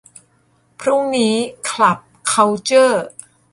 พรุ่งนี้ คลับ คัลเจอร์